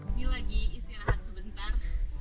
ini lagi istirahat sebentar